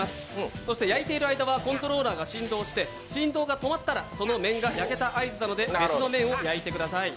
そして焼いている間はコントローラーが振動して振動が止まったらその面が焼けた合図なので別の面を焼いてください。